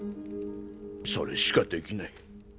それしかできない。